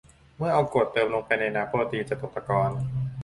เมื่อเอากรดเติมลงไปในน้ำโปรตีน จะตกตะกอน